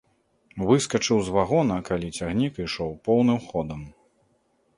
Выскачыў з вагона, калі цягнік ішоў поўным ходам.